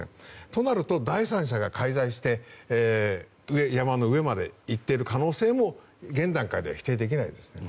となると、第三者が介在して山の上まで行っている可能性も現段階では否定できないですね。